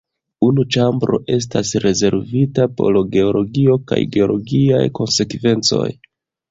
Unu ĉambro estas rezervita por geologio kaj geologiaj konsekvencoj.